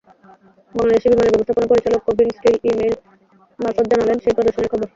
বাংলাদেশ বিমানের ব্যবস্থাপনা পরিচালক কেভিন স্টিল ই-মেইল মারফত জানালেন সেই প্রদর্শনীর খবর।